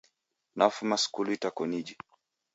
Nafuma skulu itakoniji.